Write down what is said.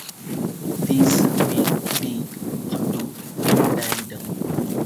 These may be up to in diameter.